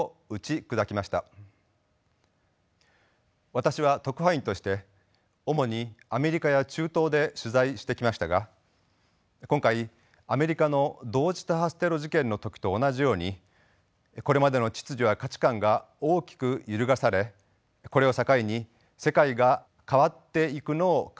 私は特派員として主にアメリカや中東で取材してきましたが今回アメリカの同時多発テロ事件の時と同じようにこれまでの秩序や価値観が大きく揺るがされこれを境に世界が変わっていくのを感じています。